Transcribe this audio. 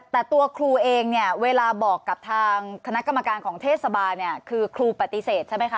แต่ตัวครูเองเนี่ยเวลาบอกกับทางคณะกรรมการของเทศบาลเนี่ยคือครูปฏิเสธใช่ไหมคะ